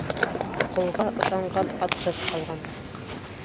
Ҡолға ышанған атһыҙ ҡалған.